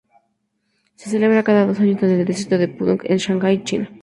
Se celebra cada dos años en el distrito de Pudong, en Shanghái, China.